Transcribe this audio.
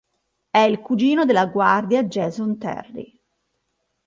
È il cugino della guardia Jason Terry.